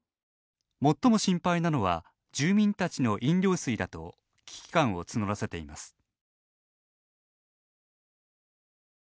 最も心配なのは住民たちの飲料水だと危機感を募らせています。